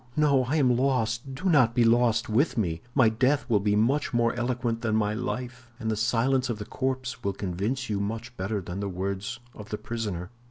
No, I am lost; do not be lost with me. My death will be much more eloquent than my life, and the silence of the corpse will convince you much better than the words of the prisoner."